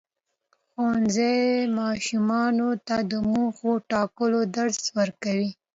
ښوونځی ماشومانو ته د موخو ټاکلو درس ورکوي.